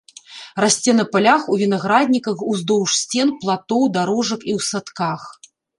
Расце на палях, у вінаградніках, уздоўж сцен, платоў, дарожак і ў садках.